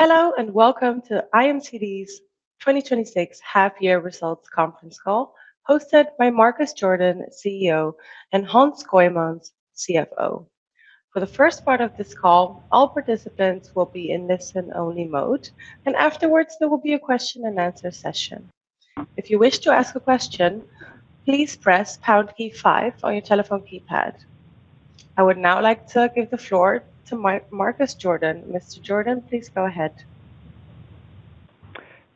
Hello, welcome to IMCD's 2026 half-year results conference call, hosted by Marcus Jordan, CEO, and Hans Kooijmans, CFO. For the first part of this call, all participants will be in listen-only mode. Afterwards, there will be a question-and-answer session. If you wish to ask a question, please press pound key five on your telephone keypad. I would now like to give the floor to Marcus Jordan. Mr. Jordan, please go ahead.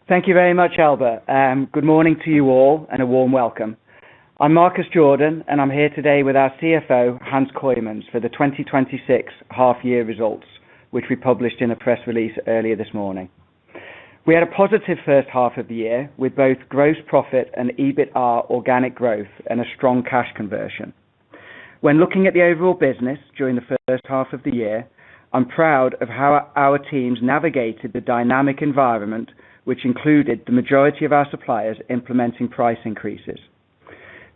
Thank you very much, Elba. Good morning to you all, a warm welcome. I'm Marcus Jordan, and I'm here today with our CFO, Hans Kooijmans, for the 2026 half-year results, which we published in a press release earlier this morning. We had a positive first half of the year, with both gross profit and EBITA organic growth, a strong cash conversion. When looking at the overall business during the first half of the year, I'm proud of how our teams navigated the dynamic environment, which included the majority of our suppliers implementing price increases.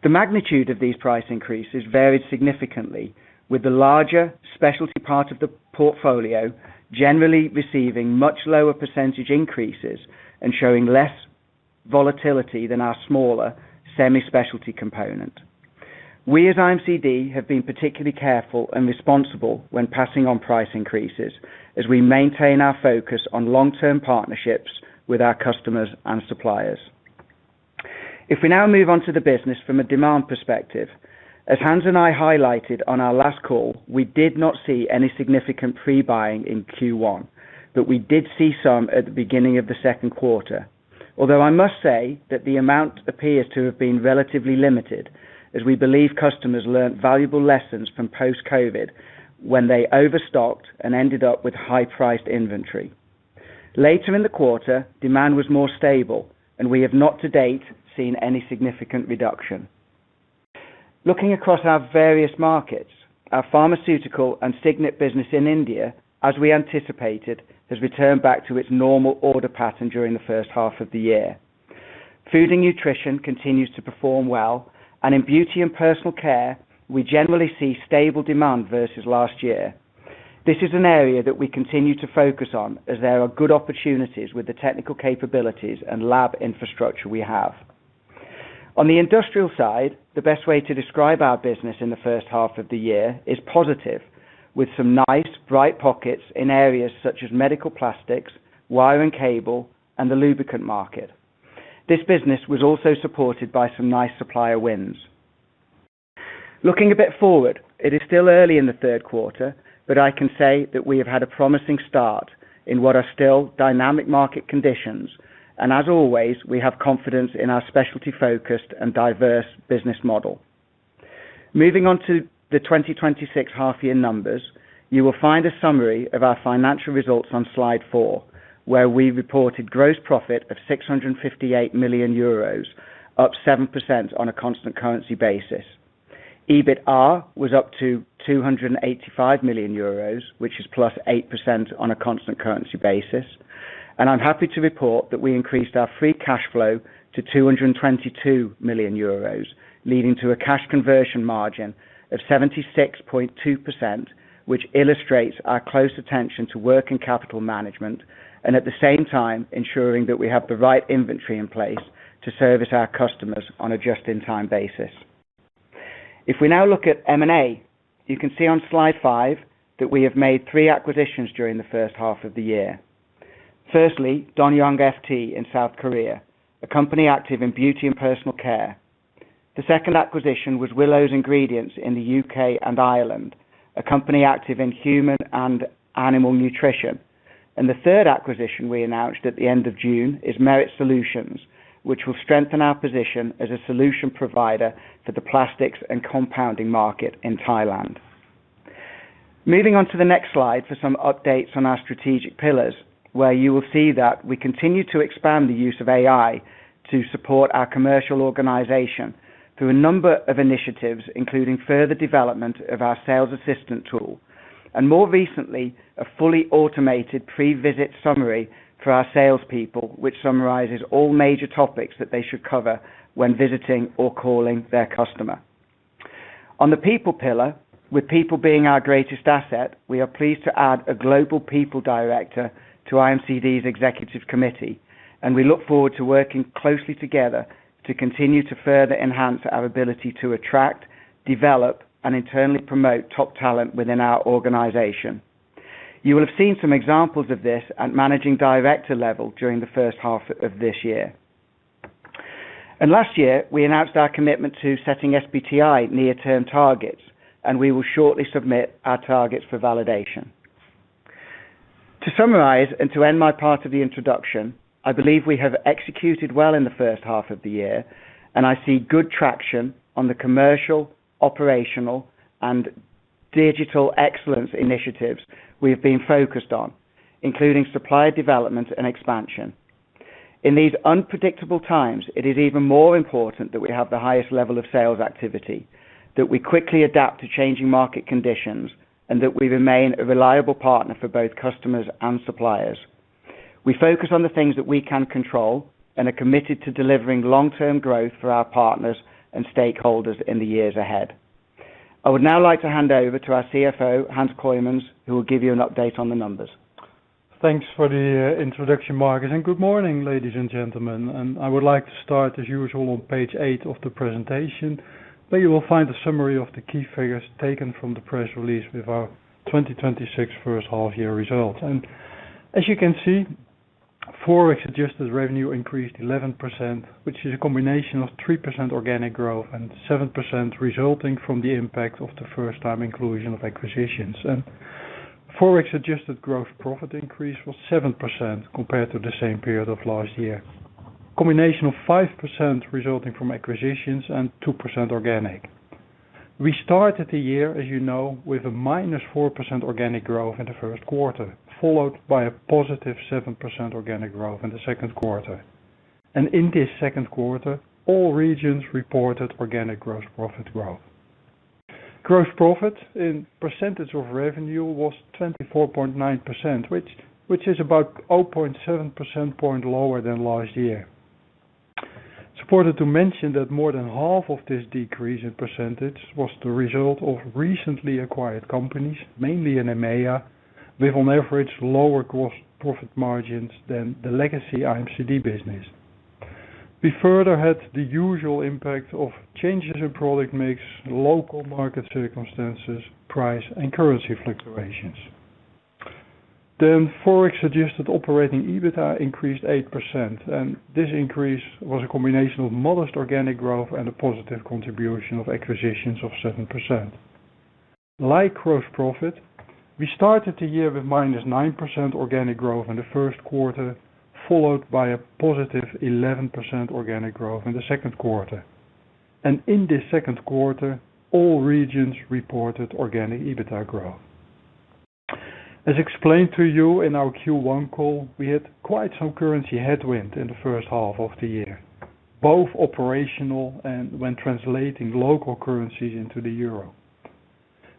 The magnitude of these price increases varied significantly, with the larger specialty part of the portfolio generally receiving much lower percentage increases and showing less volatility than our smaller semi-specialty component. We, at IMCD, have been particularly careful and responsible when passing on price increases as we maintain our focus on long-term partnerships with our customers and suppliers. If we now move on to the business from a demand perspective, as Hans and I highlighted on our last call, we did not see any significant pre-buying in Q1. We did see some at the beginning of the second quarter. Although I must say that the amount appears to have been relatively limited, as we believe customers learned valuable lessons from post-COVID when they overstocked and ended up with high-priced inventory. Later in the quarter, demand was more stable. We have not to date seen any significant reduction. Looking across our various markets, our Pharmaceutical and Signet business in India, as we anticipated, has returned back to its normal order pattern during the first half of the year. Food and nutrition continues to perform well. In beauty and personal care, we generally see stable demand versus last year. This is an area that we continue to focus on as there are good opportunities with the technical capabilities and lab infrastructure we have. On the industrial side, the best way to describe our business in the first half of the year is positive, with some nice bright pockets in areas such as medical plastics, wire and cable, and the lubricant market. This business was also supported by some nice supplier wins. Looking a bit forward, it is still early in the third quarter. I can say that we have had a promising start in what are still dynamic market conditions. As always, we have confidence in our specialty-focused and diverse business model. Moving on to the 2026 half-year numbers, you will find a summary of our financial results on slide four, where we reported gross profit of 658 million euros, up 7% on a constant currency basis. EBITA was up to 285 million euros, which is +8% on a constant currency basis. I'm happy to report that we increased our free cash flow to 222 million euros, leading to a cash conversion margin of 76.2%, which illustrates our close attention to work and capital management and, at the same time, ensuring that we have the right inventory in place to service our customers on a just-in-time basis. If we now look at M&A, you can see on slide five that we have made three acquisitions during the first half of the year. Firstly, Dong Yang FT in South Korea, a company active in beauty and personal care. The second acquisition was Willows Ingredients in the U.K. and Ireland, a company active in human and animal nutrition. The third acquisition we announced at the end of June is Merit Solution, which will strengthen our position as a solution provider for the plastics and compounding market in Thailand. Moving on to the next slide for some updates on our strategic pillars, where you will see that we continue to expand the use of AI to support our commercial organization through a number of initiatives, including further development of our SalesAssistant tool and, more recently, a fully automated pre-visit summary for our salespeople, which summarizes all major topics that they should cover when visiting or calling their customer. On the people pillar, with people being our greatest asset, we are pleased to add a global people director to IMCD's executive committee. We look forward to working closely together to continue to further enhance our ability to attract, develop, and internally promote top talent within our organization. You will have seen some examples of this at Managing Director level during the first half of this year. Last year, we announced our commitment to setting SBTi near-term targets, and we will shortly submit our targets for validation. To summarize and to end my part of the introduction, I believe we have executed well in the first half of the year, and I see good traction on the commercial, operational, and digital excellence initiatives we have been focused on, including supplier development and expansion. In these unpredictable times, it is even more important that we have the highest level of sales activity, that we quickly adapt to changing market conditions, and that we remain a reliable partner for both customers and suppliers. We focus on the things that we can control and are committed to delivering long-term growth for our partners and stakeholders in the years ahead. I would now like to hand over to our CFO, Hans Kooijmans, who will give you an update on the numbers. Thanks for the introduction, Marcus. Good morning, ladies and gentlemen. I would like to start as usual on page eight of the presentation, where you will find a summary of the key figures taken from the press release with our 2026 first half year results. As you can see, FX adjusted revenue increased 11%, which is a combination of 3% organic growth and 7% resulting from the impact of the first time inclusion of acquisitions. FX adjusted gross profit increase was 7% compared to the same period of last year. A combination of 5% resulting from acquisitions and 2% organic. We started the year, as you know, with a -4% organic growth in the first quarter, followed by a +7% organic growth in the second quarter. In this second quarter, all regions reported organic gross profit growth. Gross profit in percentage of revenue was 24.9%, which is about 0.7% point lower than last year. It's important to mention that more than half of this decrease in percentage was the result of recently acquired companies, mainly in EMEA, with on average lower gross profit margins than the legacy IMCD business. We further had the usual impact of changes in product mix, local market circumstances, price, and currency fluctuations. FX adjusted operating EBITDA increased 8%. This increase was a combination of modest organic growth and a positive contribution of acquisitions of 7%. Like gross profit, we started the year with -9% organic growth in the first quarter, followed by a +11% organic growth in the second quarter. In this second quarter, all regions reported organic EBITDA growth. As explained to you in our Q1 call, we had quite some currency headwind in the first half of the year, both operational and when translating local currencies into the euro.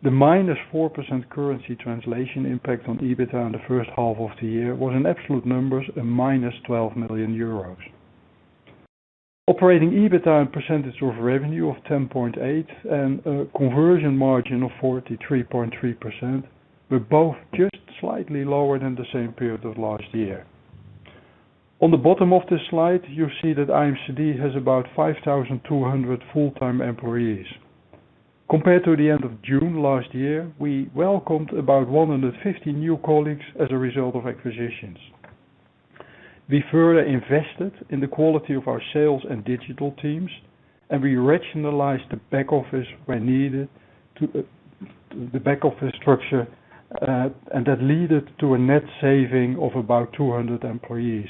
The -4% currency translation impact on EBITDA in the first half of the year was in absolute numbers a -12 million euros. Operating EBITDA and percentage of revenue of 10.8% and a conversion margin of 43.3% were both just slightly lower than the same period of last year. On the bottom of this slide, you see that IMCD has about 5,200 full-time employees. Compared to the end of June last year, we welcomed about 150 new colleagues as a result of acquisitions. We further invested in the quality of our sales and digital teams. We rationalized the back-office structure, and that led to a net saving of about 200 employees.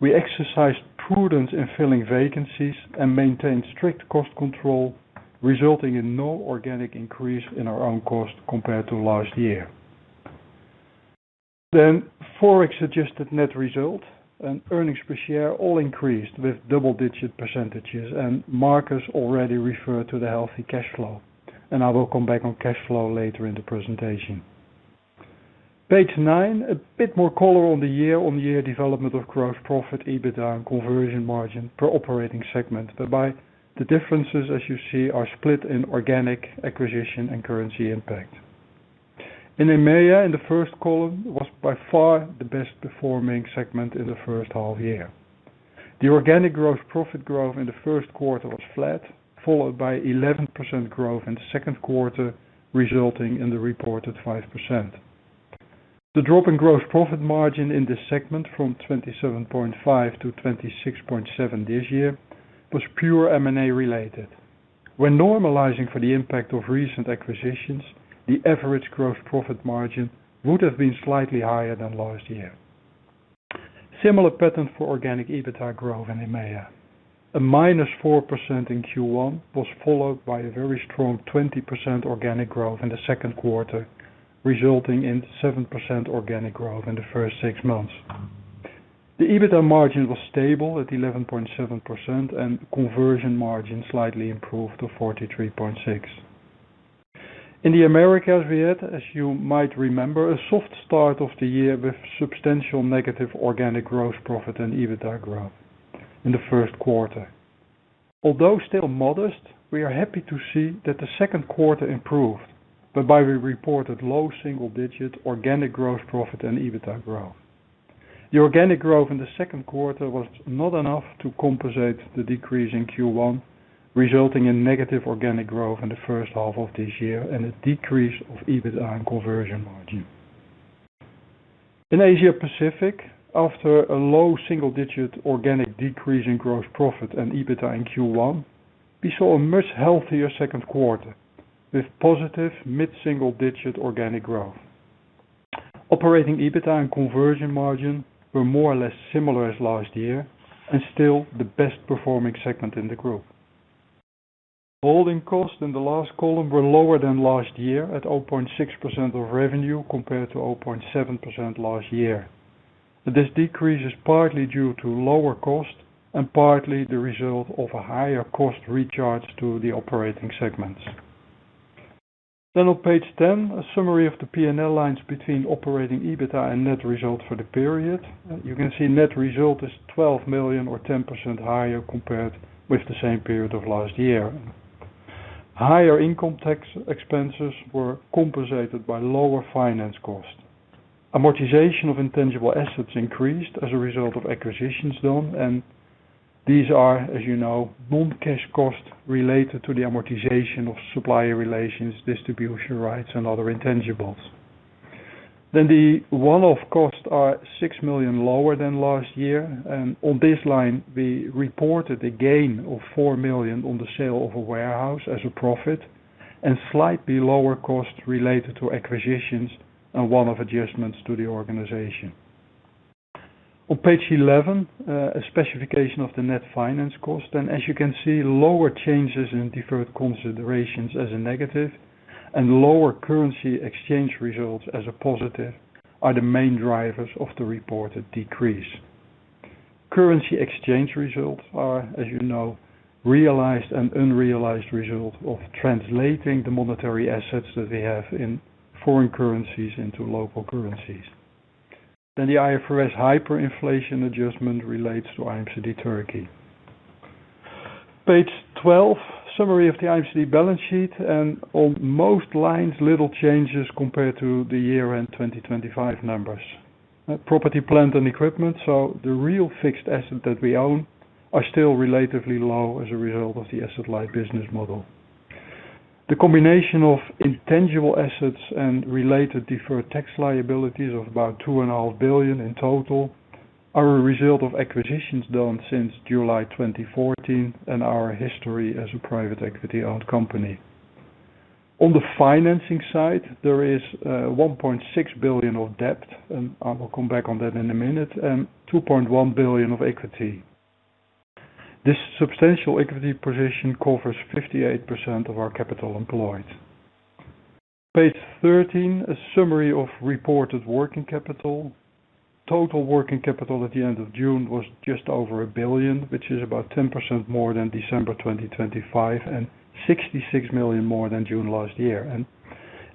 We exercised prudence in filling vacancies and maintained strict cost control, resulting in no organic increase in our own cost compared to last year. FX adjusted net result and earnings per share all increased with double-digit percentages. Marcus already referred to the healthy cash flow. I will come back on cash flow later in the presentation. Page nine, a bit more color on the year-on-year development of gross profit, EBITDA, and conversion margin per operating segment, whereby the differences, as you see, are split in organic acquisition and currency impact. In EMEA, in the first column, was by far the best performing segment in the first half year. The organic gross profit growth in the first quarter was flat, followed by 11% growth in the second quarter, resulting in the reported 5%. The drop in gross profit margin in this segment from 27.5%-26.7% this year was pure M&A related. When normalizing for the impact of recent acquisitions, the average gross profit margin would have been slightly higher than last year. Similar pattern for organic EBITDA growth in EMEA. A -4% in Q1 was followed by a very strong 20% organic growth in the second quarter, resulting in 7% organic growth in the first six months. The EBITDA margin was stable at 11.7% and conversion margin slightly improved to 43.6%. In the Americas, we had, as you might remember, a soft start of the year with substantial negative organic gross profit and EBITDA growth in the first quarter. Although still modest, we are happy to see that the second quarter improved, we reported low single-digit organic gross profit and EBITDA growth. The organic growth in the second quarter was not enough to compensate the decrease in Q1, resulting in negative organic growth in the first half of this year and a decrease of EBITDA and conversion margin. In Asia Pacific, after a low single-digit organic decrease in gross profit and EBITDA in Q1, we saw a much healthier second quarter with positive mid-single-digit organic growth. Operating EBITDA and conversion margin were more or less similar as last year and still the best performing segment in the group. Holding costs in the last column were lower than last year at 0.6% of revenue compared to 0.7% last year. This decrease is partly due to lower cost and partly the result of a higher cost recharge to the operating segments. On page 10, a summary of the P&L lines between operating EBITDA and net results for the period. You can see net result is 12 million or 10% higher compared with the same period of last year. Higher income tax expenses were compensated by lower finance costs. Amortization of intangible assets increased as a result of acquisitions done, and these are, as you know, non-cash costs related to the amortization of supplier relations, distribution rights, and other intangibles. The one-off costs are 6 million lower than last year. On this line, we reported a gain of 4 million on the sale of a warehouse as a profit and slightly lower costs related to acquisitions and one-off adjustments to the organization. On page 11, a specification of the net finance cost. As you can see, lower changes in deferred considerations as a negative and lower currency exchange results as a positive are the main drivers of the reported decrease. Currency exchange results are, as you know, realized and unrealized results of translating the monetary assets that we have in foreign currencies into local currencies. The IFRS hyperinflation adjustment relates to IMCD Türkiye. Page 12, summary of the IMCD balance sheet, and on most lines, little changes compared to the year-end 2025 numbers. Property, plant, and equipment, so the real fixed assets that we own, are still relatively low as a result of the asset-light business model. The combination of intangible assets and related deferred tax liabilities of about 2.5 billion in total are a result of acquisitions done since July 2014 and our history as a private equity-owned company. On the financing side, there is 1.6 billion of debt, and I will come back on that in a minute, and 2.1 billion of equity. This substantial equity position covers 58% of our capital employed. Page 13, a summary of reported working capital. Total working capital at the end of June was just over 1 billion, which is about 10% more than December 2025 and 66 million more than June last year.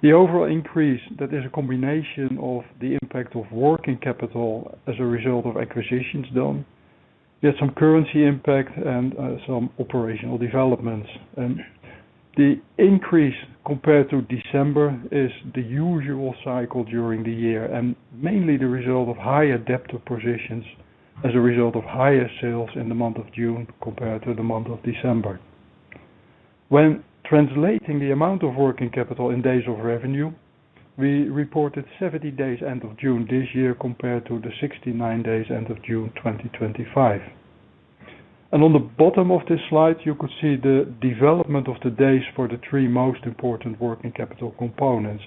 The overall increase, that is a combination of the impact of working capital as a result of acquisitions done. We had some currency impact and some operational developments. The increase compared to December is the usual cycle during the year and mainly the result of higher debtor positions as a result of higher sales in the month of June compared to the month of December. When translating the amount of working capital in days of revenue, we reported 70 days end of June this year compared to the 69 days end of June 2025. On the bottom of this slide, you could see the development of the days for the three most important working capital components.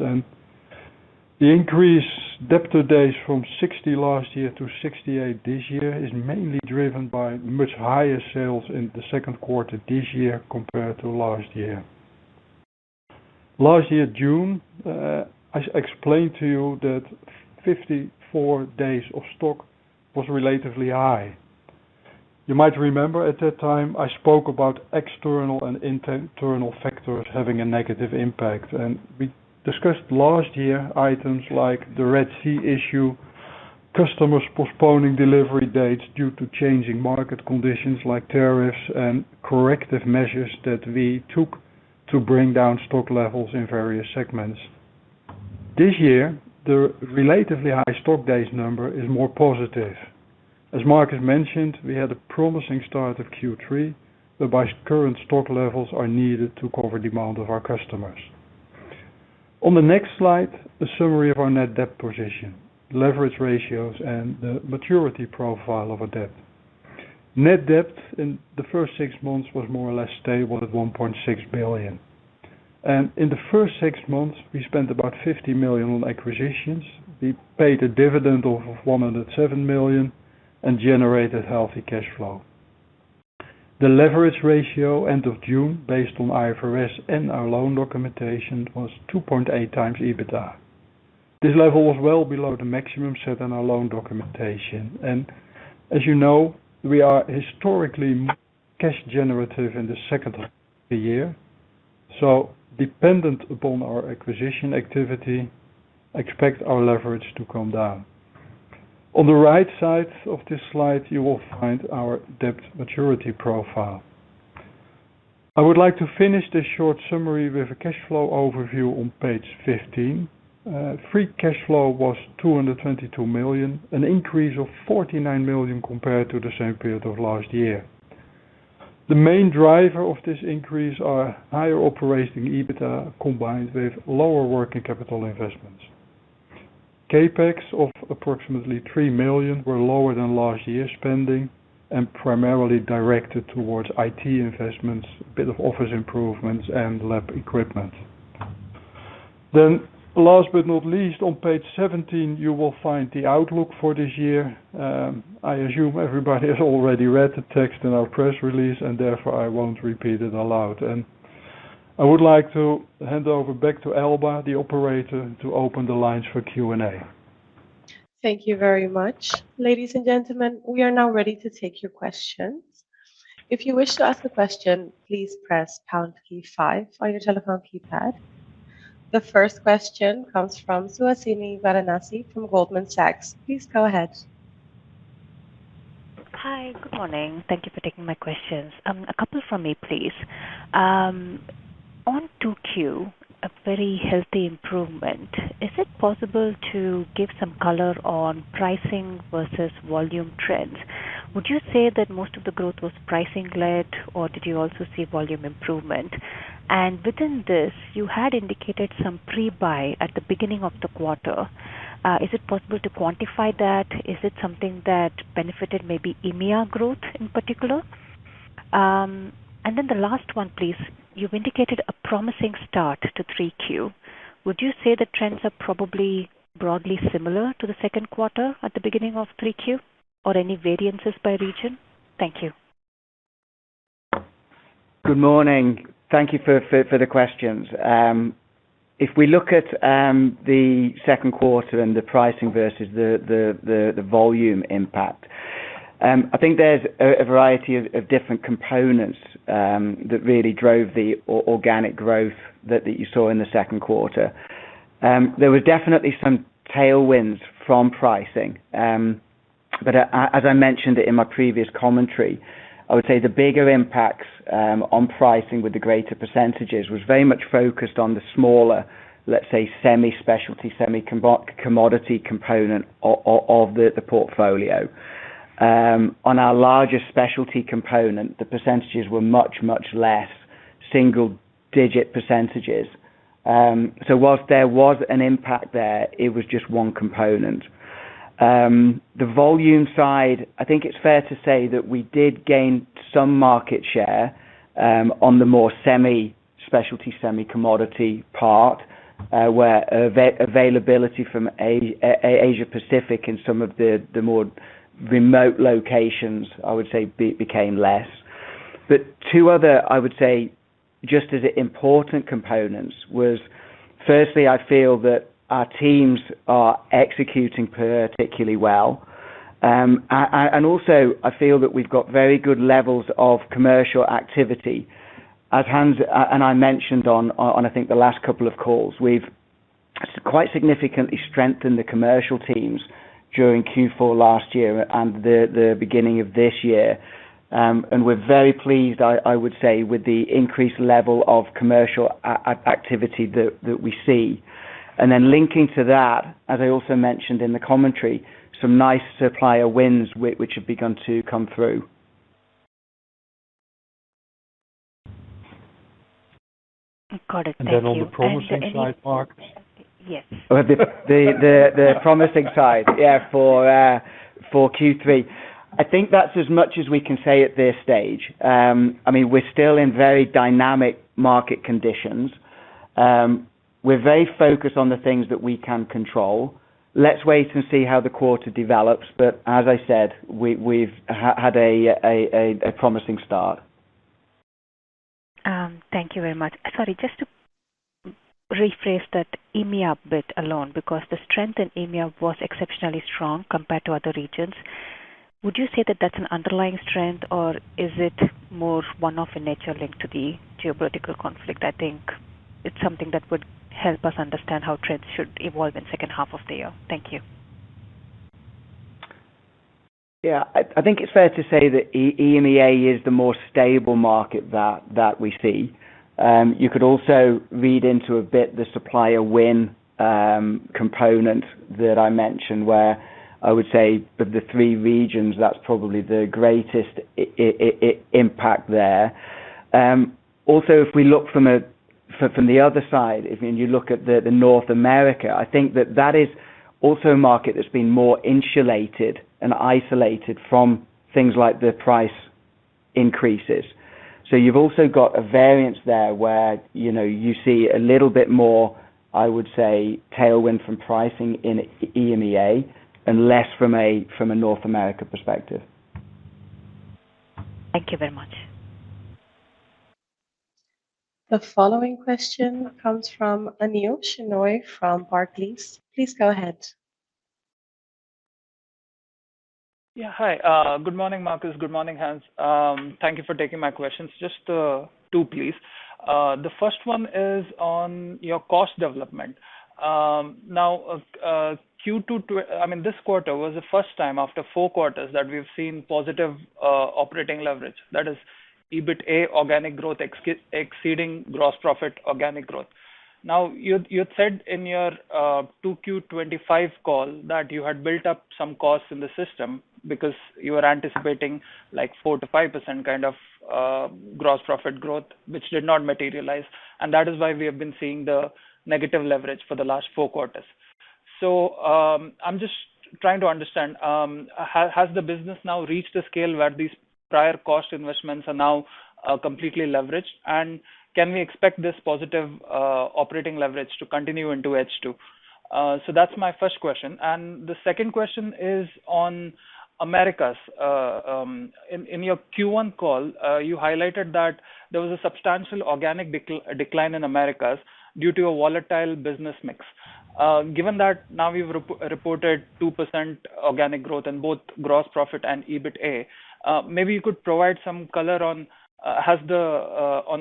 The increase debtor days from 60 last year to 68 this year is mainly driven by much higher sales in the second quarter this year compared to last year. Last year, June, I explained to you that 54 days of stock was relatively high. You might remember at that time, I spoke about external and internal factors having a negative impact. We discussed last year items like the Red Sea issue, customers postponing delivery dates due to changing market conditions like tariffs, and corrective measures that we took to bring down stock levels in various segments. This year, the relatively high stock days number is more positive. As Marcus mentioned, we had a promising start of Q3, whereby current stock levels are needed to cover demand of our customers. On the next slide, a summary of our net debt position, leverage ratios, and the maturity profile of our debt. Net debt in the first six months was more or less stable at 1.6 billion. In the first six months, we spent about 50 million on acquisitions. We paid a dividend of 107 million and generated healthy cash flow. The leverage ratio end of June, based on IFRS and our loan documentation, was 2.8x EBITDA. This level was well below the maximum set in our loan documentation. As you know, we are historically cash generative in the second half of the year. Dependent upon our acquisition activity, expect our leverage to come down. On the right side of this slide, you will find our debt maturity profile. I would like to finish this short summary with a cash flow overview on page 15. Free cash flow was 222 million, an increase of 49 million compared to the same period of last year. The main driver of this increase are higher operating EBITDA combined with lower working capital investments. CapEx of approximately 3 million were lower than last year's spending and primarily directed towards IT investments, a bit of office improvements, and lab equipment. Last but not least, on page 17, you will find the outlook for this year. I assume everybody has already read the text in our press release, and therefore, I won't repeat it aloud. I would like to hand over back to Elba, the operator, to open the lines for Q&A. Thank you very much. Ladies and gentlemen, we are now ready to take your questions. If you wish to ask a question, please press pound key five on your telephone keypad. The first question comes from Suhasini Varanasi from Goldman Sachs. Please go ahead. Hi. Good morning. Thank you for taking my questions. A couple from me, please. On 2Q, a very healthy improvement. Is it possible to give some color on pricing versus volume trends? Would you say that most of the growth was pricing-led, or did you also see volume improvement? Within this, you had indicated some pre-buy at the beginning of the quarter. Is it possible to quantify that? Is it something that benefited maybe EMEA growth in particular? Then the last one, please. You've indicated a promising start to 3Q. Would you say the trends are probably broadly similar to the second quarter at the beginning of 3Q or any variances by region? Thank you. Good morning. Thank you for the questions. If we look at the second quarter and the pricing versus the volume impact, I think there's a variety of different components that really drove the organic growth that you saw in the second quarter. There was definitely some tailwinds from pricing. As I mentioned in my previous commentary, I would say the bigger impacts on pricing with the greater percentages was very much focused on the smaller, let's say, semi-specialty, semi-commodity component of the portfolio. On our larger specialty component, the percentages were much, much less, single-digit percentages. Whilst there was an impact there, it was just one component. The volume side, I think it's fair to say that we did gain some market share on the more semi-specialty, semi-commodity part where availability from Asia-Pacific in some of the more remote locations, I would say, became less. Two other, I would say, just as important components was firstly, I feel that our teams are executing particularly well. Also I feel that we've got very good levels of commercial activity. As Hans and I mentioned on I think the last couple of calls, we've quite significantly strengthened the commercial teams during Q4 last year and the beginning of this year. We are very pleased-- I would says with the increase level of commercial activities we see. Then linking to that, as I also mentioned in the commentary, some nice supplier wins which have begun to come through. Got it. Thank you. On the promising side part? Yes. The promising side, for Q3. I think that's as much as we can say at this stage. We're still in very dynamic market conditions. We're very focused on the things that we can control. Let's wait and see how the quarter develops. As I said, we've had a promising start. Thank you very much. Sorry, just to rephrase that EMEA bit alone, because the strength in EMEA was exceptionally strong compared to other regions. Would you say that that's an underlying strength, or is it more one of a nature linked to the geopolitical conflict? I think it's something that would help us understand how trends should evolve in second half of the year. Thank you. Yeah. I think it's fair to say that EMEA is the more stable market that we see. You could also read into a bit the supplier win component that I mentioned where I would say of the three regions, that's probably the greatest impact there. Also if we look from the other side, if you look at North America, I think that that is also a market that's been more insulated and isolated from things like the price increases. You've also got a variance there where you see a little bit more, I would say, tailwind from pricing in EMEA and less from a North America perspective. Thank you very much. The following question comes from Anil Shenoy from Barclays. Please go ahead. Yeah. Hi. Good morning, Marcus. Good morning, Hans. Thank you for taking my questions. Just two, please. The first one is on your cost development. Now, this quarter was the first time after four quarters that we've seen positive operating leverage. That is, EBITA organic growth exceeding gross profit organic growth. Now, you had said in your 2Q 2025 call that you had built up some costs in the system because you were anticipating 4%-5% kind of gross profit growth, which did not materialize, and that is why we have been seeing the negative leverage for the last four quarters. I'm just trying to understand, has the business now reached the scale where these prior cost investments are now completely leveraged? Can we expect this positive operating leverage to continue into H2? That's my first question. The second question is on Americas. In your Q1 call, you highlighted that there was a substantial organic decline in Americas due to a volatile business mix. Given that now we've reported 2% organic growth in both gross profit and EBITA, maybe you could provide some color on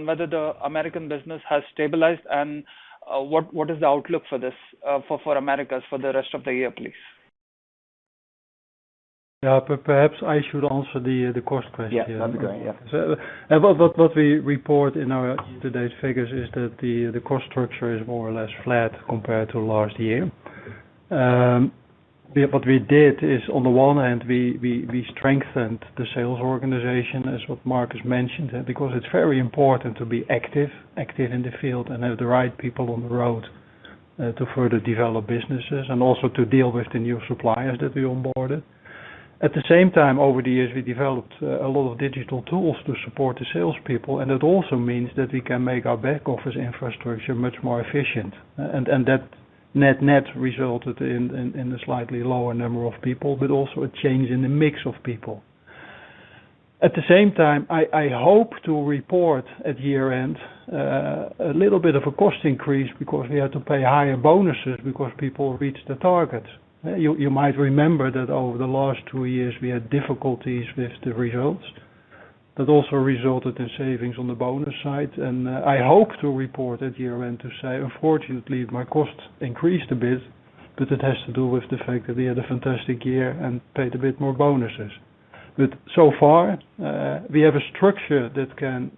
whether the American business has stabilized and what is the outlook for Americas for the rest of the year, please? Yeah. Perhaps I should answer the cost question here. Yeah, that'd be great. Yeah. What we report in our today's figures is that the cost structure is more or less flat compared to last year. What we did is, on the one hand, we strengthened the sales organization, as what Marcus mentioned, because it's very important to be active in the field and have the right people on the road, to further develop businesses and also to deal with the new suppliers that we onboarded. At the same time, over the years, we developed a lot of digital tools to support the salespeople, and it also means that we can make our back office infrastructure much more efficient. That net resulted in a slightly lower number of people, but also a change in the mix of people. At the same time, I hope to report at year-end, a little bit of a cost increase because we had to pay higher bonuses because people reached the targets. You might remember that over the last two years, we had difficulties with the results. That also resulted in savings on the bonus side. I hope to report at year-end to say, "Unfortunately, my costs increased a bit," but it has to do with the fact that we had a fantastic year and paid a bit more bonuses. So far, we have a structure that can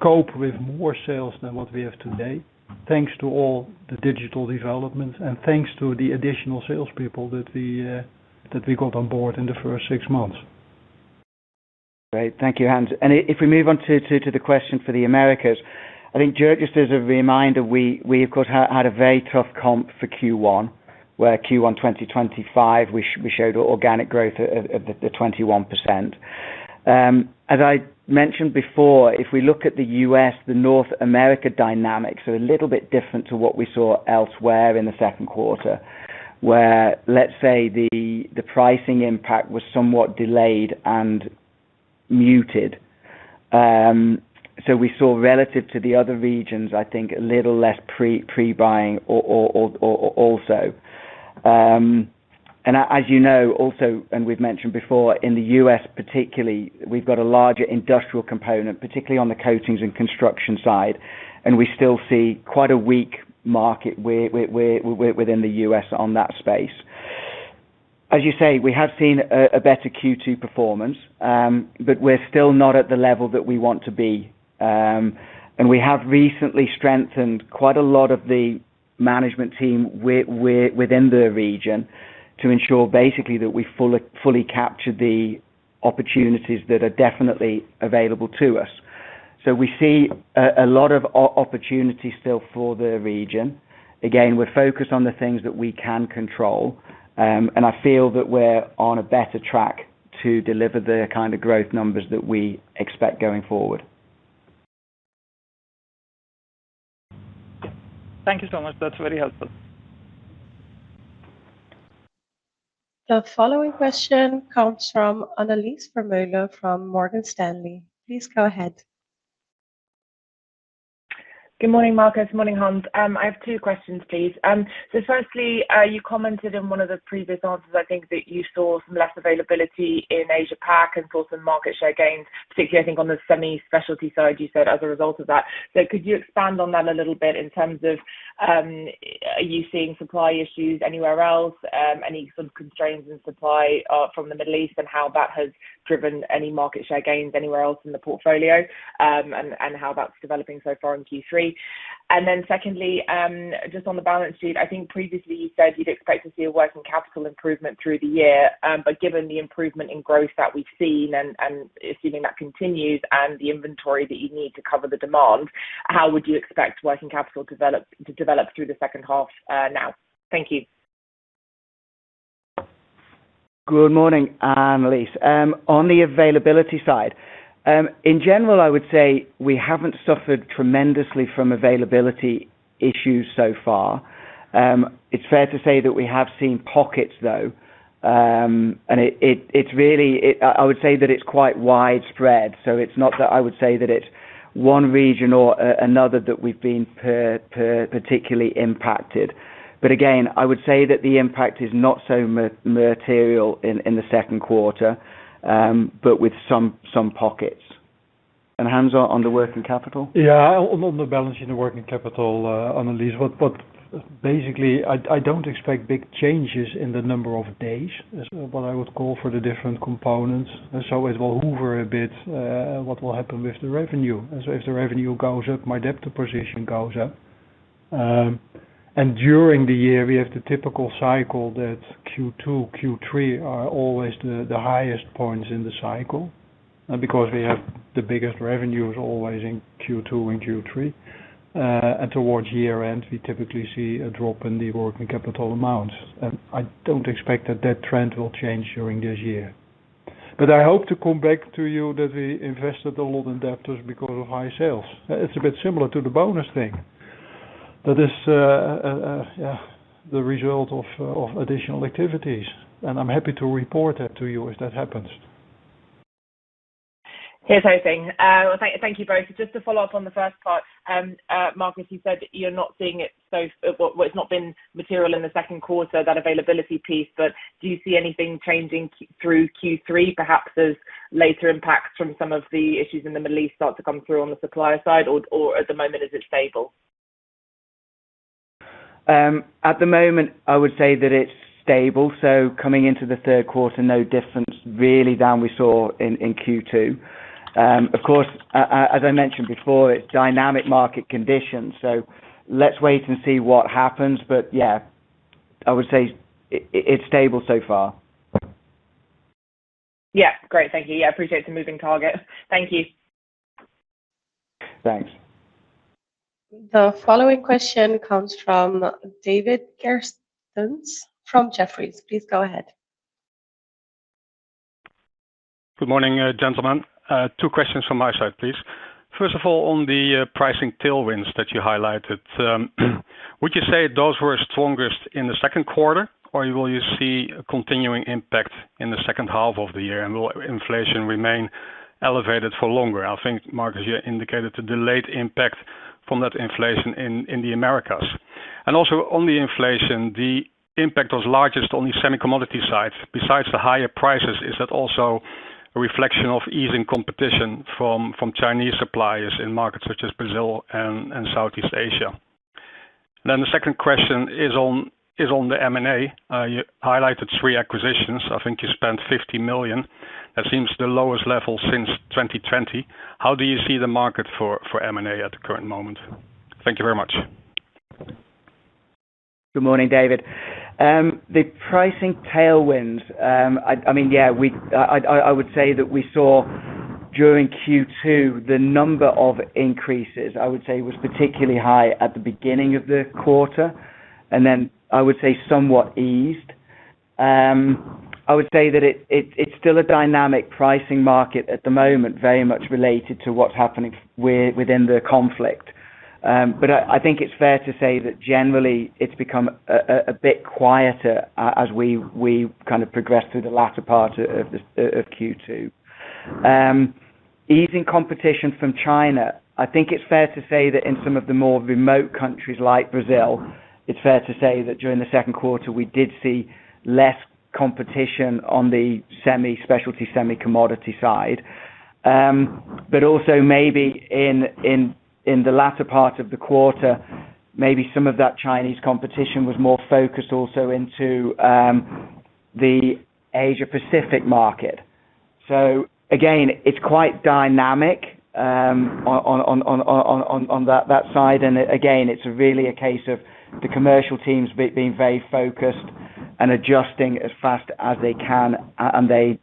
cope with more sales than what we have today, thanks to all the digital developments and thanks to the additional salespeople that we got on board in the first six months. Great. Thank you, Hans. If we move on to the question for the Americas, I think, Anil, just as a reminder, we, of course, had a very tough comp for Q1, where Q1 2025, we showed organic growth of 21%. As I mentioned before, if we look at the U.S., the North America dynamics are a little bit different to what we saw elsewhere in the second quarter, where, let's say, the pricing impact was somewhat delayed and muted. We saw relative to the other regions, I think a little less pre-buying also. As you know, also, and we've mentioned before, in the U.S. particularly, we've got a larger industrial component, particularly on the coatings and construction side, and we still see quite a weak market within the U.S. on that space. As you say, we have seen a better Q2 performance, but we're still not at the level that we want to be. We have recently strengthened quite a lot of the management team within the region to ensure basically that we fully capture the opportunities that are definitely available to us. We see a lot of opportunity still for the region. Again, we're focused on the things that we can control, and I feel that we're on a better track to deliver the kind of growth numbers that we expect going forward. Thank you so much. That's very helpful. The following question comes from Annelies Vermeulen from Morgan Stanley. Please go ahead. Good morning, Marcus. Morning, Hans. I have two questions, please. Firstly, you commented in one of the previous answers, I think, that you saw some less availability in Asia-Pac and saw some market share gains, particularly, I think on the semi-specialty side, you said, as a result of that. Could you expand on that a little bit in terms of, are you seeing supply issues anywhere else? Any sort of constraints in supply from the Middle East and how that has driven any market share gains anywhere else in the portfolio, and how that's developing so far in Q3? Secondly, just on the balance sheet, I think previously you said you'd expect to see a working capital improvement through the year. Given the improvement in growth that we've seen, and assuming that continues and the inventory that you need to cover the demand, how would you expect working capital to develop through the second half now? Thank you. Good morning, Annelies. On the availability side, in general, I would say we haven't suffered tremendously from availability issues so far. It's fair to say that we have seen pockets, though. I would say that it's quite widespread, so it's not that I would say that it's one region or another that we've been particularly impacted. But again, I would say that the impact is not so material in the second quarter, but with some pockets. Hans, on the working capital? On the balance sheet and working capital, Annelies, basically, I don't expect big changes in the number of days, is what I would call for the different components. It will hoover a bit, what will happen with the revenue. If the revenue goes up, my debtor position goes up. During the year, we have the typical cycle that Q2, Q3 are always the highest points in the cycle, because we have the biggest revenues always in Q2 and Q3. Towards year-end, we typically see a drop in the working capital amounts. I don't expect that that trend will change during this year. I hope to come back to you that we invested a lot in debtors because of high sales. It's a bit similar to the bonus thing. That is the result of additional activities, and I'm happy to report that to you as that happens. Here's hoping. Thank you both. Just to follow up on the first part, Marcus, you said that it's not been material in the second quarter, that availability piece. Do you see anything changing through Q3, perhaps as later impacts from some of the issues in the Middle East start to come through on the supplier side? At the moment, is it stable? At the moment, I would say that it's stable. Coming into the third quarter, no difference really than we saw in Q2. Of course, as I mentioned before, it's dynamic market conditions. Let's wait and see what happens. Yeah, I would say it's stable so far. Yeah. Great. Thank you. Yeah, appreciate the moving target. Thank you. Thanks. The following question comes from David Kerstens from Jefferies. Please go ahead. Good morning, gentlemen. Two questions from my side, please. First of all, on the pricing tailwinds that you highlighted, would you say those were strongest in the second quarter, or will you see a continuing impact in the second half of the year, and will inflation remain elevated for longer? I think, Marcus, you indicated the delayed impact from that inflation in the Americas. Also on the inflation, the impact was largest on the semi commodity side. Besides the higher prices, is that also a reflection of easing competition from Chinese suppliers in markets such as Brazil and Southeast Asia? The second question is on the M&A. You highlighted three acquisitions. I think you spent 50 million. That seems the lowest level since 2020. How do you see the market for M&A at the current moment? Thank you very much. Good morning, David. The pricing tailwinds, I would say that we saw during Q2, the number of increases, I would say, was particularly high at the beginning of the quarter, and then I would say somewhat eased. I would say that it's still a dynamic pricing market at the moment, very much related to what's happening within the conflict. I think it's fair to say that generally it's become a bit quieter as we kind of progress through the latter part of Q2. Easing competition from China, I think it's fair to say that in some of the more remote countries like Brazil, it's fair to say that during the second quarter we did see less competition on the semi specialty, semi commodity side. Also maybe in the latter part of the quarter, maybe some of that Chinese competition was more focused also into the Asia-Pacific market. Again, it's quite dynamic on that side, and again, it's really a case of the commercial teams being very focused and adjusting as fast as they can and they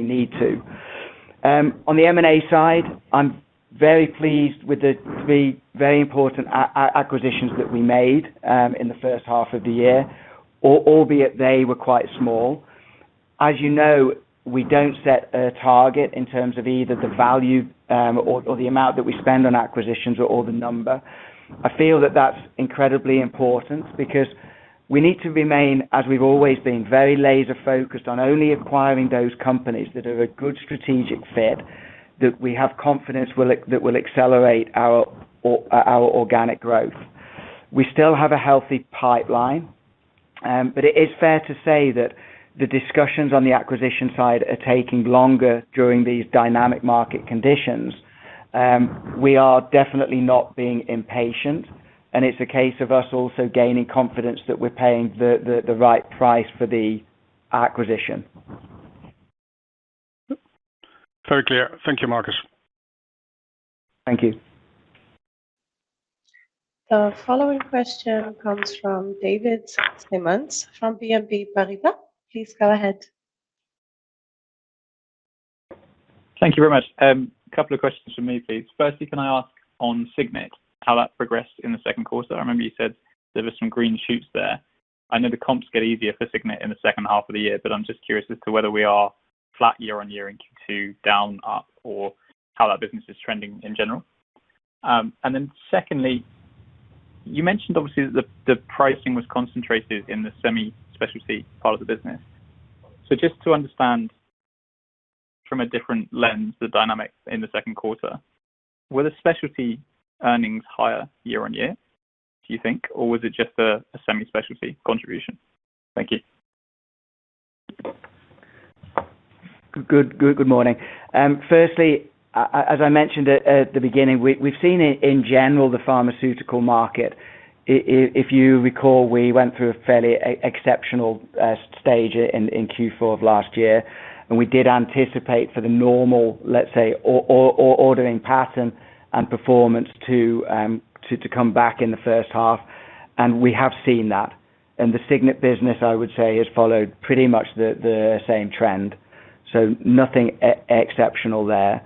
need to. On the M&A side, I'm very pleased with the very important acquisitions that we made in the first half of the year, albeit they were quite small. You know, we don't set a target in terms of either the value or the amount that we spend on acquisitions or the number. I feel that that's incredibly important because we need to remain, as we've always been, very laser focused on only acquiring those companies that are a good strategic fit, that we have confidence that will accelerate our organic growth. We still have a healthy pipeline. It is fair to say that the discussions on the acquisition side are taking longer during these dynamic market conditions. We are definitely not being impatient, and it's a case of us also gaining confidence that we're paying the right price for the acquisition. Very clear. Thank you, Marcus. Thank you. The following question comes from David Symonds from BNP Paribas. Please go ahead. Thank you very much. Couple of questions from me, please. Firstly, can I ask on Signet, how that progressed in the second quarter? I remember you said there were some green shoots there. I know the comps get easier for Signet in the second half of the year, but I am just curious as to whether we are flat year-over-year in Q2, down, up, or how that business is trending in general. Secondly, you mentioned obviously that the pricing was concentrated in the semi specialty part of the business. Just to understand from a different lens, the dynamics in the second quarter. Were the specialty earnings higher year-over-year, do you think, or was it just a semi specialty contribution? Thank you. Good morning. Firstly, as I mentioned at the beginning, we have seen it in general, the pharmaceutical market. If you recall, we went through a fairly exceptional stage in Q4 of last year, we did anticipate for the normal, let's say, ordering pattern and performance to come back in the first half, and we have seen that. The Signet business, I would say, has followed pretty much the same trend. Nothing exceptional there.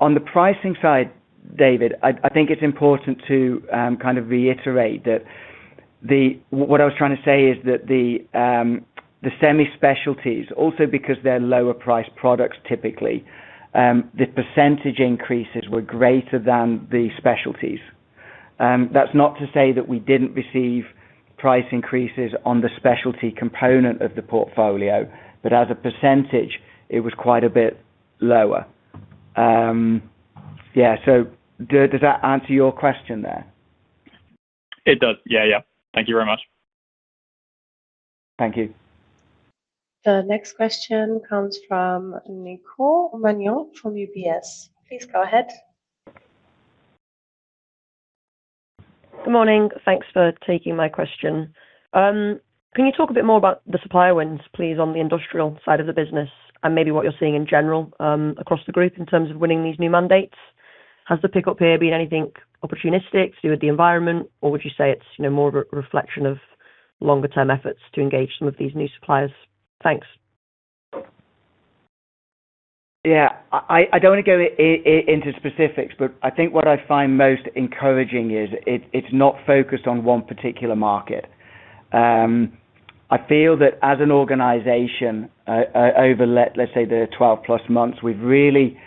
On the pricing side, David, I think it is important to kind of reiterate that what I was trying to say is that the semi specialties, also because they are lower priced products typically, the percentage increases were greater than the specialties. That is not to say that we did not receive price increases on the specialty component of the portfolio, but as a percentage, it was quite a bit lower. Does that answer your question there? It does. Yeah. Thank you very much. Thank you. The next question comes from Nicole Manion from UBS. Please go ahead. Good morning. Thanks for taking my question. Can you talk a bit more about the supplier wins, please, on the industrial side of the business and maybe what you're seeing in general across the group in terms of winning these new mandates? Has the pickup here been anything opportunistic to do with the environment, or would you say it's more a reflection of longer-term efforts to engage some of these new suppliers? Thanks. Yeah. I don't want to go into specifics, but I think what I find most encouraging is it's not focused on one particular market. I feel that as an organization, over let's say the 12+ months, we've really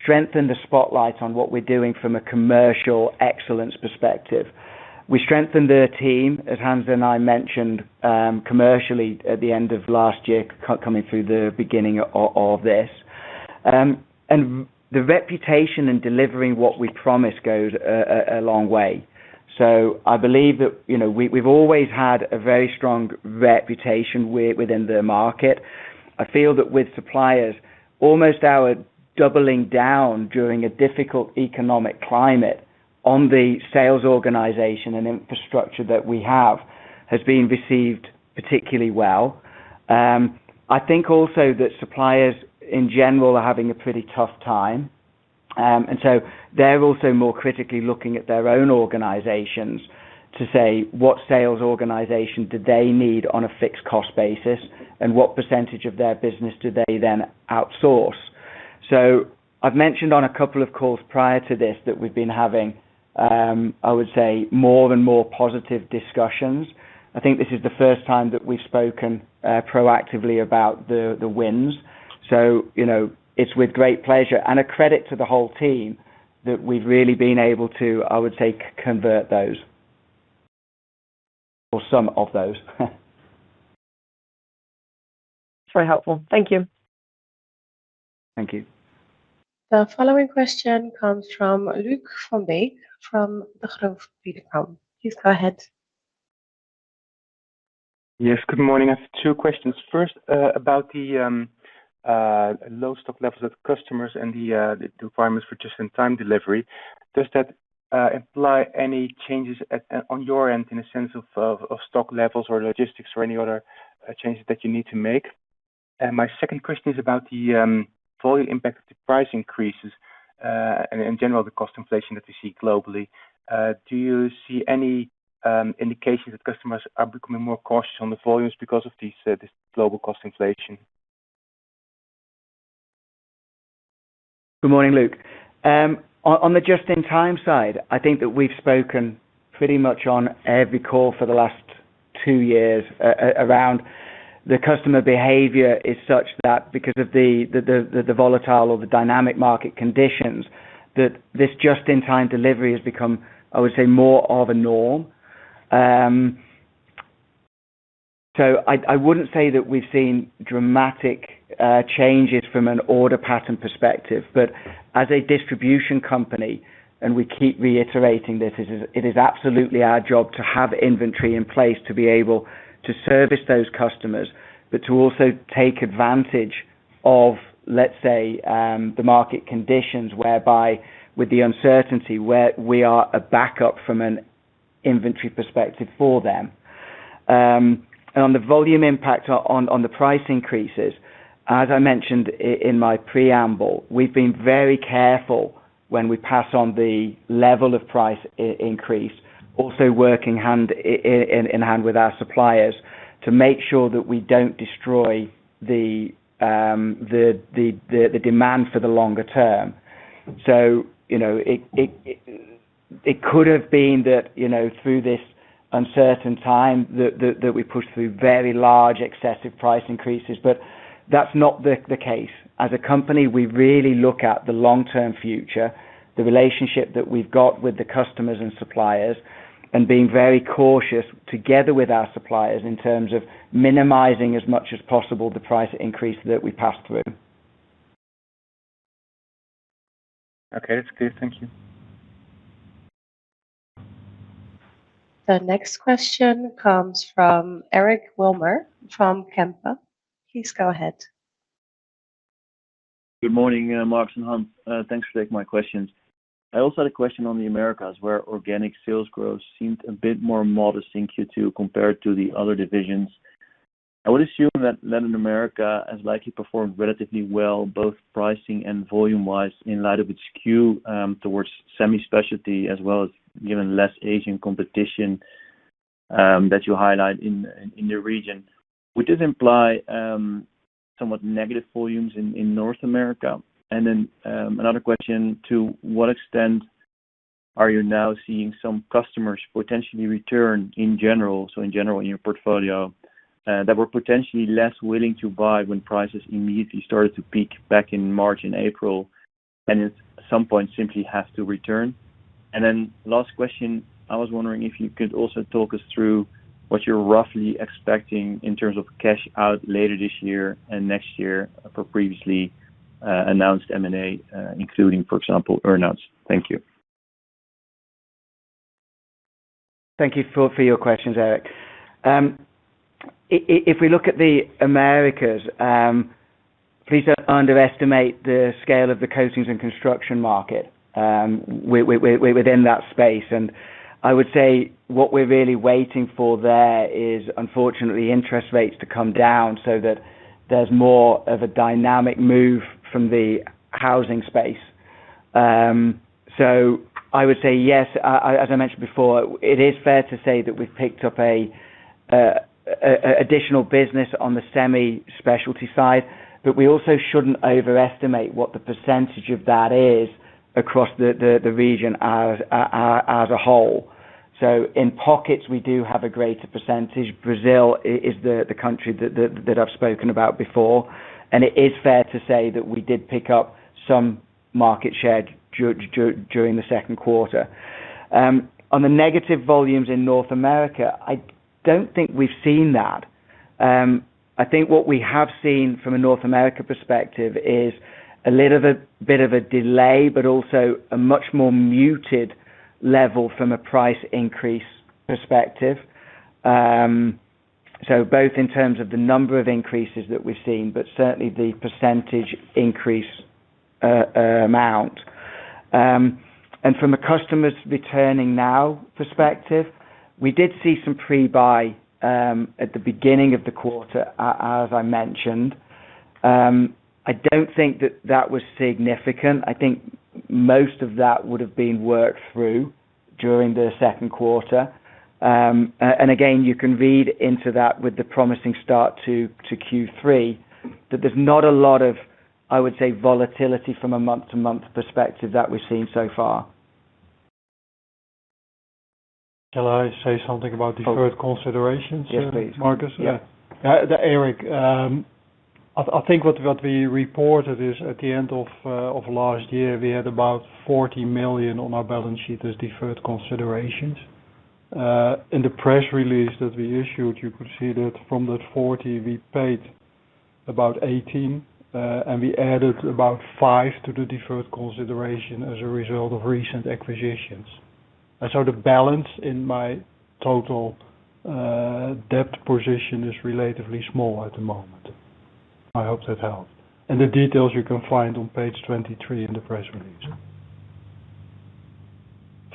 strengthened the spotlight on what we're doing from a commercial excellence perspective. We strengthened the team, as Hans and I mentioned, commercially at the end of last year, coming through the beginning of this. The reputation in delivering what we promise goes a long way. I believe that we've always had a very strong reputation within the market. I feel that with suppliers, almost our doubling down during a difficult economic climate on the sales organization and infrastructure that we have, has been received particularly well. I think also that suppliers in general are having a pretty tough time. They're also more critically looking at their own organizations to say what sales organization do they need on a fixed cost basis, and what percentage of their business do they then outsource. I've mentioned on a couple of calls prior to this that we've been having, I would say, more and more positive discussions. I think this is the first time that we've spoken proactively about the wins. It's with great pleasure and a credit to the whole team that we've really been able to, I would say, convert those. Or some of those. It's very helpful. Thank you. Thank you. The following question comes from Luuk van Beek from Degroof Petercam. Please go ahead. Yes, good morning. I have two questions. First, about the low stock levels of customers and the requirements for just-in-time delivery. Does that imply any changes on your end in a sense of stock levels or logistics or any other changes that you need to make? My second question is about the volume impact of the price increases, and in general, the cost inflation that you see globally. Do you see any indications that customers are becoming more cautious on the volumes because of this global cost inflation? Good morning, Luuk. On the just-in-time side, I think that we've spoken pretty much on every call for the last two years around the customer behavior is such that because of the volatile or the dynamic market conditions, that this just-in-time delivery has become, I would say, more of a norm. I wouldn't say that we've seen dramatic changes from an order pattern perspective, but as a distribution company, and we keep reiterating this, it is absolutely our job to have inventory in place to be able to service those customers, but to also take advantage of, let's say, the market conditions whereby with the uncertainty, where we are a backup from an inventory perspective for them. On the volume impact on the price increases, as I mentioned in my preamble, we've been very careful when we pass on the level of price increase, also working hand in hand with our suppliers to make sure that we don't destroy the demand for the longer term. It could have been that through this uncertain time that we pushed through very large, excessive price increases, but that's not the case. As a company, we really look at the long-term future, the relationship that we've got with the customers and suppliers, and being very cautious together with our suppliers in terms of minimizing as much as possible the price increase that we pass through. Okay. That's clear. Thank you. The next question comes from Eric Wilmer from Kempen. Please go ahead. Good morning, Marcus and Hans. Thanks for taking my questions. I also had a question on the Americas, where organic sales growth seemed a bit more modest in Q2 compared to the other divisions. I would assume that Latin America has likely performed relatively well, both pricing and volume wise, in light of its skew towards semi-specialty, as well as given less Asian competition that you highlight in the region. Would this imply somewhat negative volumes in North America? Another question, to what extent are you now seeing some customers potentially return in general, so in general in your portfolio that were potentially less willing to buy when prices immediately started to peak back in March and April, and at some point simply have to return. Last question, I was wondering if you could also talk us through what you're roughly expecting in terms of cash out later this year and next year for previously announced M&A, including, for example, earn-outs. Thank you. Thank you for your questions, Eric. If we look at the Americas, please don't underestimate the scale of the coatings and construction market. We're within that space, I would say what we're really waiting for there is, unfortunately, interest rates to come down so that there's more of a dynamic move from the housing space. I would say yes, as I mentioned before, it is fair to say that we've picked up additional business on the semi-specialty side, but we also shouldn't overestimate what the percentage of that is across the region as a whole. In pockets, we do have a greater percentage. Brazil is the country that I've spoken about before, and it is fair to say that we did pick up some market share during the second quarter. On the negative volumes in North America, I don't think we've seen that. I think what we have seen from a North America perspective is a little bit of a delay, but also a much more muted level from a price increase perspective. Both in terms of the number of increases that we've seen, but certainly the percentage increase amount. From a customer's returning now perspective, we did see some pre-buy at the beginning of the quarter, as I mentioned. I don't think that that was significant. I think most of that would've been worked through during the second quarter. Again, you can read into that with the promising start to Q3, that there's not a lot of, I would say, volatility from a month-to-month perspective that we've seen so far. Shall I say something about deferred considerations, Eric? Yes, please. Marcus? Yeah. Eric, I think what we reported is at the end of last year, we had about 40 million on our balance sheet as deferred considerations. In the press release that we issued, you could see that from that 40, we paid about 18, and we added about 5 to the deferred consideration as a result of recent acquisitions. The balance in my total debt position is relatively small at the moment. I hope that helped. The details you can find on page 23 in the press release.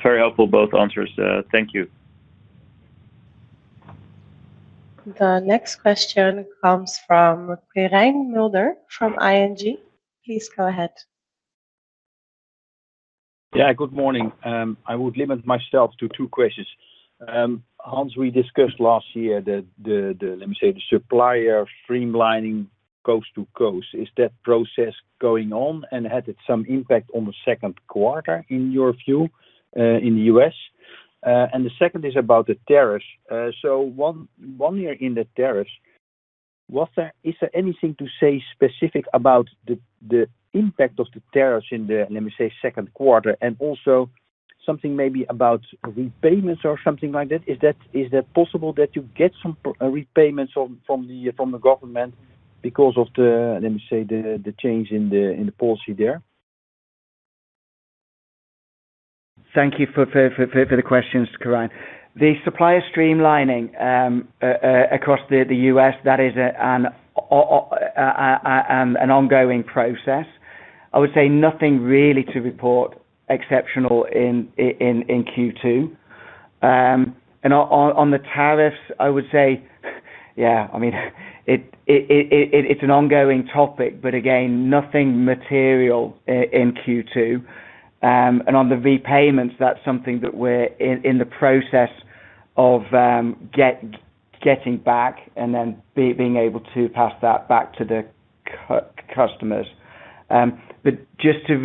Very helpful, both answers. Thank you. The next question comes from Quirijn Mulder from ING. Please go ahead. Good morning. I would limit myself to two questions. Hans, we discussed last year the, let me say, the supplier streamlining coast to coast. Is that process going on, and had it some impact on the second quarter, in your view, in the U.S.? The second is about the tariffs. One year in the tariffs, is there anything to say specific about the impact of the tariffs in the, let me say, second quarter? Also something maybe about repayments or something like that. Is that possible that you get some repayments from the government because of the, let me say, the change in the policy there? Thank you for the questions, Quirijn. The supplier streamlining across the U.S., that is an ongoing process. I would say nothing really to report exceptional in Q2. On the tariffs, I would say, yeah, it's an ongoing topic, but again, nothing material in Q2. On the repayments, that's something that we're in the process of getting back and then being able to pass that back to the customers. But just to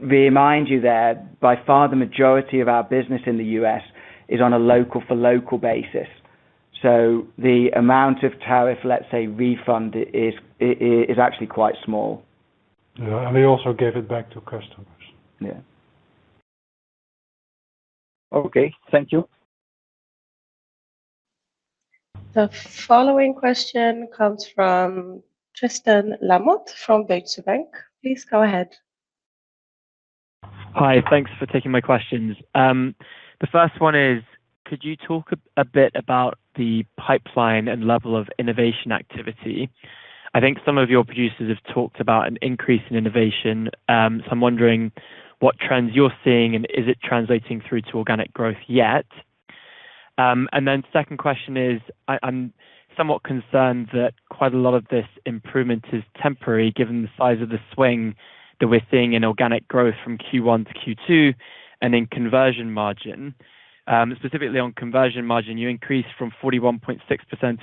remind you there, by far, the majority of our business in the U.S. is on a local for local basis. The amount of tariff, let's say, refund, is actually quite small. Yeah, we also gave it back to customers. Yeah. Okay. Thank you. The following question comes from Tristan Lamotte from Deutsche Bank. Please go ahead. Hi. Thanks for taking my questions. The first one is, could you talk a bit about the pipeline and level of innovation activity? I think some of your producers have talked about an increase in innovation. I'm wondering what trends you're seeing, and is it translating through to organic growth yet? Second question is, I'm somewhat concerned that quite a lot of this improvement is temporary given the size of the swing that we're seeing in organic growth from Q1-Q2 and in conversion margin. Specifically on conversion margin, you increased from 41.6%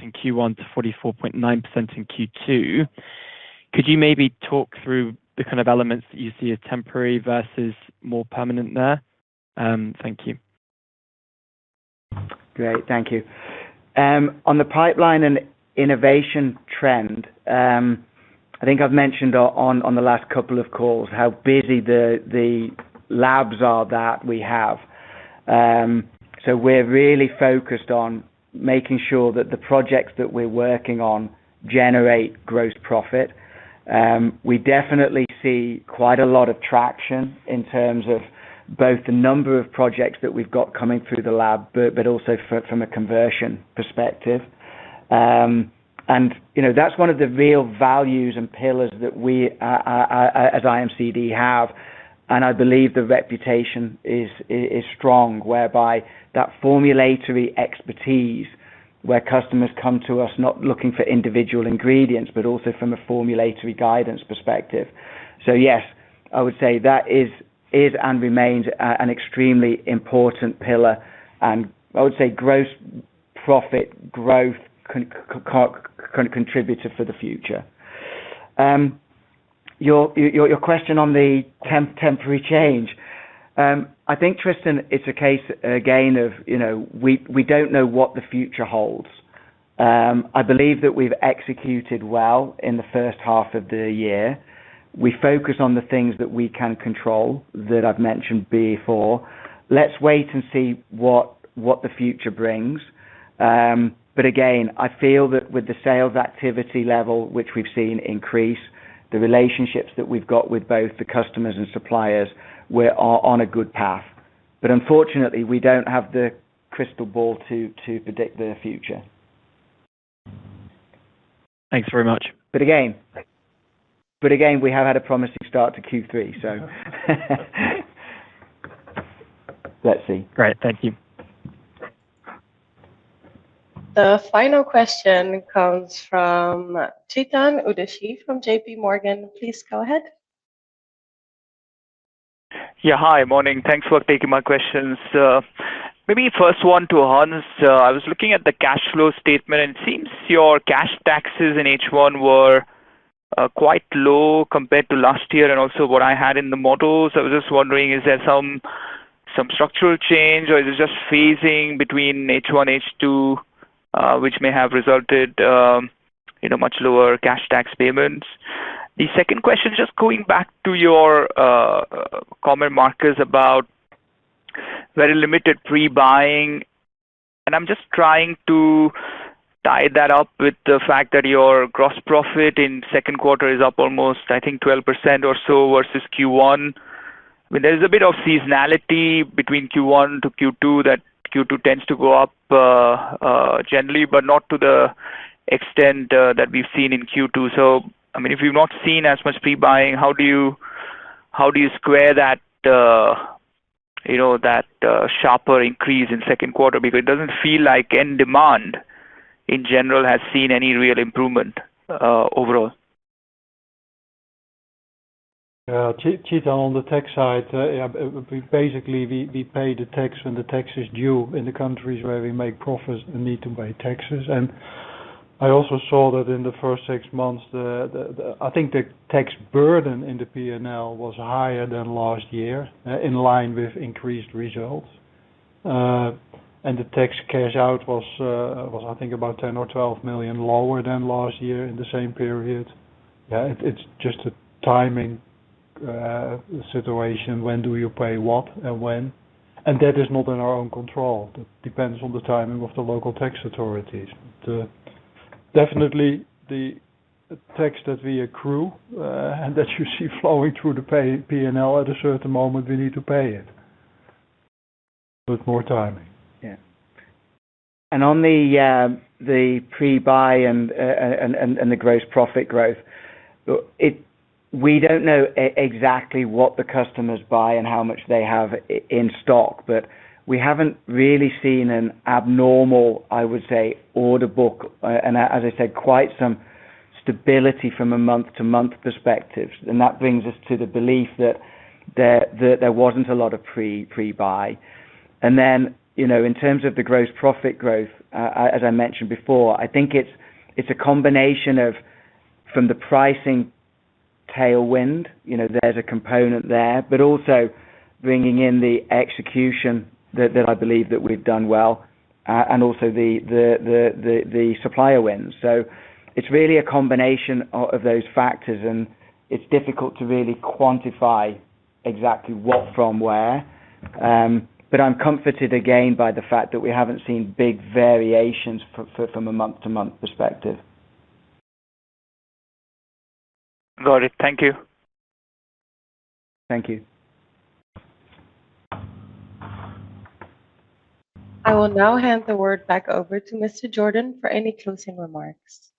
in Q1 to 44.9% in Q2. Could you maybe talk through the kind of elements that you see as temporary versus more permanent there? Thank you. Great. Thank you. On the pipeline and innovation trend, I think I've mentioned on the last couple of calls how busy the labs are that we have. We're really focused on making sure that the projects that we're working on generate gross profit. We definitely see quite a lot of traction in terms of both the number of projects that we've got coming through the lab, but also from a conversion perspective. That's one of the real values and pillars that we, as IMCD, have, and I believe the reputation is strong, whereby that formulary expertise where customers come to us not looking for individual ingredients, but also from a formulary guidance perspective. Yes, I would say that is and remains an extremely important pillar, and I would say gross profit growth contributor for the future. Your question on the temporary change. I think, Tristan, it's a case again of we don't know what the future holds. I believe that we've executed well in the first half of the year. We focus on the things that we can control that I've mentioned before. Let's wait and see what the future brings. Again, I feel that with the sales activity level, which we've seen increase, the relationships that we've got with both the customers and suppliers, we're on a good path. Unfortunately, we don't have the crystal ball to predict the future. Thanks very much. Again, we have had a promising start to Q3, so let's see. Great. Thank you. The final question comes from Chetan Udeshi from JPMorgan. Please go ahead. Hi. Morning. Thanks for taking my questions. Maybe first one to Hans. I was looking at the cash flow statement, and it seems your cash taxes in H1 were quite low compared to last year and also what I had in the models. I was just wondering, is there some structural change, or is it just phasing between H1, H2, which may have resulted in a much lower cash tax payments? The second question, just going back to your comment, Marcus, about very limited pre-buying, and I'm just trying to tie that up with the fact that your gross profit in second quarter is up almost, I think, 12% or so versus Q1. There's a bit of seasonality between Q1-Q2, that Q2 tends to go up generally, but not to the extent that we've seen in Q2. If you've not seen as much pre-buying, how do you square that sharper increase in second quarter? Because it doesn't feel like end demand, in general, has seen any real improvement overall. Chetan, on the tax side, basically, we pay the tax when the tax is due in the countries where we make profits and need to pay taxes. I also saw that in the first six months, I think the tax burden in the P&L was higher than last year, in line with increased results. The tax cash out was, I think, about 10 million or 12 million lower than last year in the same period. Yeah, it's just a timing situation. When do you pay what and when, and that is not in our own control. That depends on the timing of the local tax authorities. Definitely the tax that we accrue, and that you see flowing through the P&L at a certain moment, we need to pay it with more timing. On the pre-buy and the gross profit growth, we don't know exactly what the customers buy and how much they have in stock, but we haven't really seen an abnormal, I would say, order book. As I said, quite some stability from a month-to-month perspective. That brings us to the belief that there wasn't a lot of pre-buy. In terms of the gross profit growth, as I mentioned before, I think it's a combination of from the pricing tailwind, there's a component there, but also bringing in the execution that I believe that we've done well, and also the supplier wins. It's really a combination of those factors, and it's difficult to really quantify exactly what from where. I'm comforted again by the fact that we haven't seen big variations from a month-to-month perspective. Got it. Thank you. Thank you. I will now hand the word back over to Mr. Jordan for any closing remarks.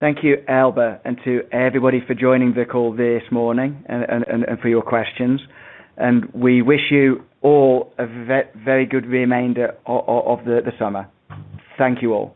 Thank you, Elba, and to everybody for joining the call this morning and for your questions. We wish you all a very good remainder of the summer. Thank you all.